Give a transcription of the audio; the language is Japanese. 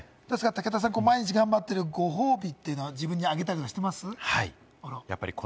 武田さん、毎日頑張っているご褒美、何か自分にあげたりしていますか？